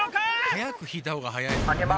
はやくひいたほうがはやいのかな？